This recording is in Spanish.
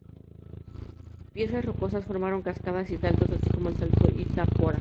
Piezas rocosas formaron cascadas y saltos, así como el Salto Itá porá.